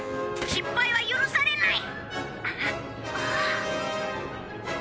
失敗は許されない！